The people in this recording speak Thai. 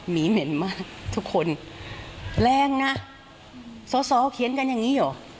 มีเหม็นมากทุกคนแรงนะสอสอเขียนกันอย่างนี้เหรอ